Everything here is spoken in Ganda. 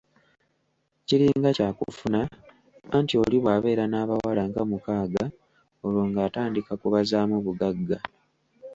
Kiringa kyakufuna anti oli bw’abeera n’abawala nga mukaaga olwo ng’atandika kubazaamu bugagga.